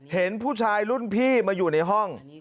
เห็นผู้ชายรุ่นพี่มาอยู่ในห้อง